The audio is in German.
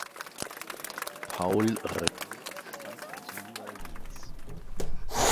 Paul Rae stammt aus New Orleans.